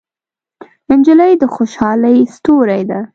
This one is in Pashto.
نجلۍ د خوشحالۍ ستورې ده.